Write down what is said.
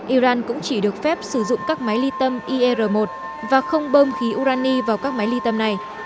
iran cũng chỉ được phép sử dụng các máy ly tâm ir một và không bơm khí urani vào các máy ly tâm này